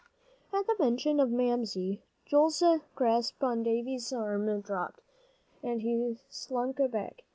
At the mention of Mamsie, Joel's grasp on Davie's arm dropped, and he slunk back.